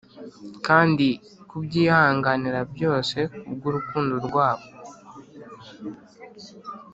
kandi kubyihanganira byose kubwurukundo rwabo.